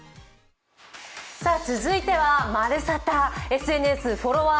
続いては「＃まるサタ！フォロワー！